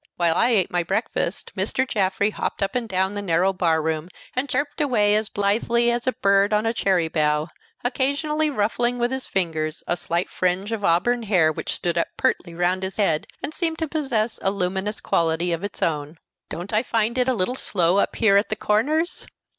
While I ate my breakfast, Mr. Jaffrey hopped up and down the narrow bar room and chirped away as blithely as a bird on a cherry bough, occasionally ruffling with his fingers a slight fringe of auburn hair which stood up pertly round his head and seemed to possess a luminous quality of its own. "Don't I find it a little slow up here at the Corners?